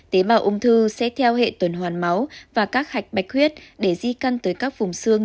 tế bào ung thư xét theo hệ tuần hoàn máu và các hạch bạch huyết để di căn tới các vùng xương